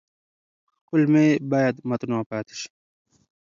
کولمې باید متنوع پاتې شي.